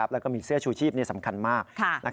แล้วก็มีเสื้อชูชีพสำคัญมาก